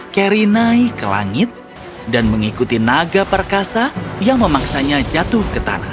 carry naik ke langit dan mengikuti naga perkasa yang memaksanya jatuh ke tanah